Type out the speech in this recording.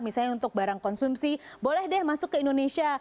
misalnya untuk barang konsumsi boleh deh masuk ke indonesia